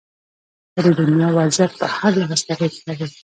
خو د دنیا وضعیت په هر لحاظ تغیر شوې